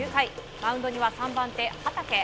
マウンドには３番手、畠。